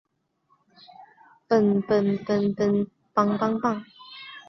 瘦中肢水蚤为异肢水蚤科中肢水蚤属下的一个种。